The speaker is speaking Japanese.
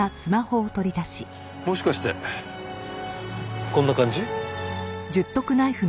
もしかしてこんな感じ？